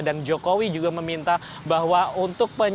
dan jokowi juga meminta bahwa untuk penyerahan